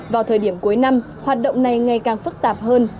vào thời điểm cuối năm hoạt động này ngày càng phức tạp hơn